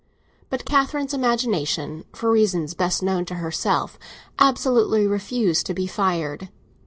But Catherine's imagination, for reasons best known to herself, absolutely refused to be fired.